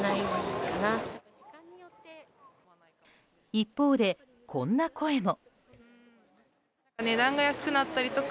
一方で、こんな声も。